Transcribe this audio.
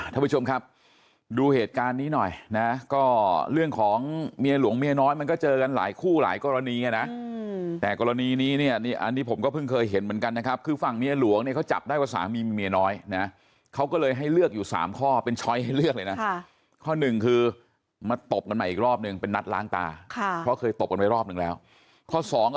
ท่านผู้ชมครับดูเหตุการณ์นี้หน่อยนะก็เรื่องของเมียหลวงเมียน้อยมันก็เจอกันหลายคู่หลายกรณีอ่ะนะแต่กรณีนี้เนี่ยอันนี้ผมก็เพิ่งเคยเห็นเหมือนกันนะครับคือฝั่งเมียหลวงเนี่ยเขาจับได้ว่าสามีมีเมียน้อยนะเขาก็เลยให้เลือกอยู่สามข้อเป็นช้อยให้เลือกเลยนะค่ะข้อหนึ่งคือมาตบกันใหม่อีกรอบหนึ่งเป็นนัดล้างตาค่ะเพราะเคยตบกันไว้รอบหนึ่งแล้วข้อสอง